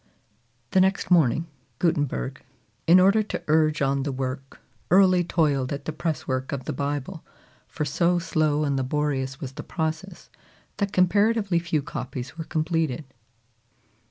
The next morning, Gutenberg, in order to urge on the work, early toiled at the press work of the Bible; for so slow and laborious was the process that comparatively few copies were completed.